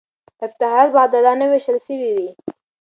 افتخارات به عادلانه وېشل سوي وي.